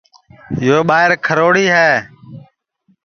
یو ٻائیر کھروڑِی ہے